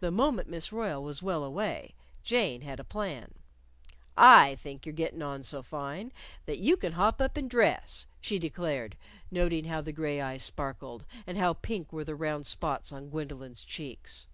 The moment Miss Royle was well away, Jane had a plan. "I think you're gittin' on so fine that you can hop up and dress," she declared, noting how the gray eyes sparkled, and how pink were the round spots on Gwendolyn's cheeks.